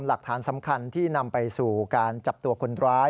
หลักฐานสำคัญที่นำไปสู่การจับตัวคนร้าย